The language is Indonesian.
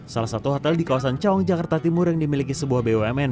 salah satu hotel di kawasan cawang jakarta timur yang dimiliki sebuah bumn